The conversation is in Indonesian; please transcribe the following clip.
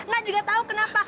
nak juga tahu kenapa